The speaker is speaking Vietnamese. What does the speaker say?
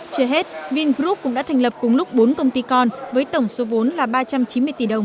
chưa hết vingroup cũng đã thành lập cùng lúc bốn công ty con với tổng số vốn là ba trăm chín mươi tỷ đồng